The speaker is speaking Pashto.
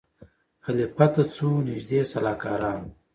خلیفه ته څو نیژدې سلاکارانو